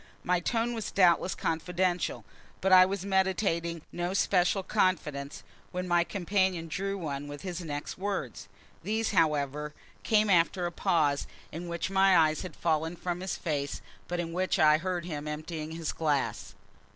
My tone was doubtless confidential, but I was meditating no special confidence when my companion drew one with his next words. These, however, came after a pause, in which my eyes had fallen from his face, but in which I heard him emptying his glass.